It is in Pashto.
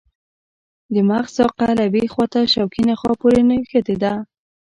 د مغز ساقه له یوې خواته شوکي نخاع پورې نښتې ده.